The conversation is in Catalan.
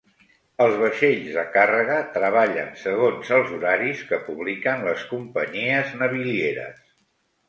Els vaixells de càrrega treballen segons els horaris que publiquen les companyies navilieres.